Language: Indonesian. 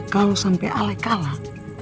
kalo sampe ale kalah